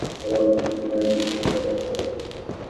এবার অল্প তেলে কাটলেটগুলো শ্যালো ফ্রাই করুন।